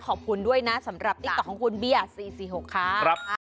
ขอบคุณด้วยนะสำหรับติ๊กต๊อกของคุณเบียร์๔๔๖ค่ะ